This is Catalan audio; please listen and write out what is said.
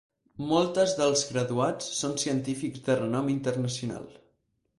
Moltes dels graduats són científics de renom internacional.